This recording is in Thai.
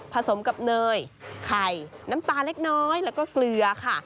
ผสมกับเนยกาไข่น้ำตาลเล็กน้อยกับกลืย